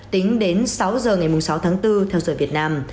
tính đến sáu giờ ngày sáu tháng bốn theo giờ việt nam